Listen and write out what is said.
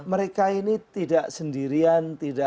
mereka ini tidak sendirian